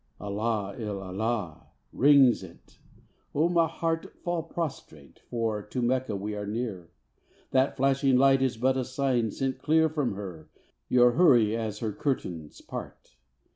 "Allah il Allah," rings it; O my heart, Fall prostrate, for to Mecca we are near, That flashing light is but a sign sent clear From her, your houri, as her curtains part!